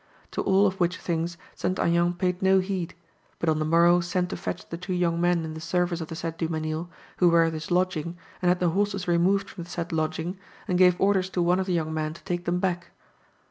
To all of which things St. Aignan paid no heed, but on the morrow sent to fetch the two young men in the service of the said Dumesnil, who were at his lodging, and had the horses removed from the said lodging, and gave orders to one of the young men to take them back.